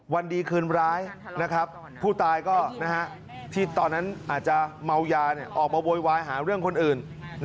วันดีคืนร้ายผู้ตายก็ที่ตอนนั้นอาจจะเมายาออกมาโวยวายหาเรื่องคนอื่น